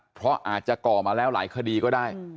เพราะอาจจะก่อมาแล้วหลายคดีก็ได้